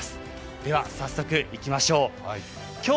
では早速行きましょう。